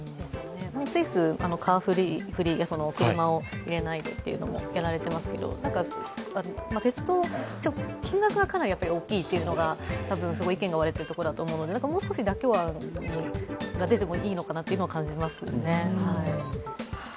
スイス、カーフリーで車を入れないでというのもやられていますけど鉄道、金額がかなり大きいというのが、たぶん意見が割れているところだと思うので、もう少し妥協案みたいなものが出てもいいのかなと感じますね。